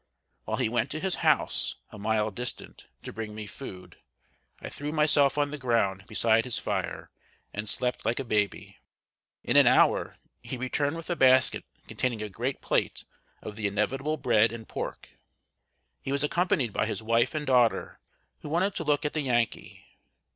While he went to his house, a mile distant, to bring me food, I threw myself on the ground beside his fire and slept like a baby. In an hour, he returned with a basket containing a great plate of the inevitable bread and pork. He was accompanied by his wife and daughter, who wanted to look at the Yankee.